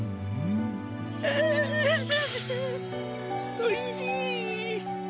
おいしい。